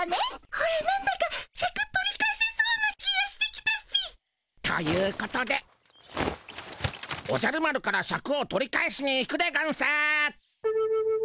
オラなんだかシャク取り返せそうな気がしてきたっピ。ということでおじゃる丸からシャクを取り返しに行くでゴンス。